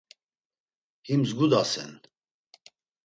Him mdzgudasen.